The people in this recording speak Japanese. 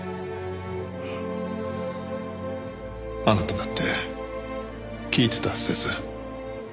あなただって聞いてたはずです。